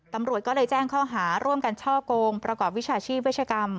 ตำรวจก็เลยแจ้งข้อหาร่วมกันช่อกงประกอบวิชาชีพเวชกรรม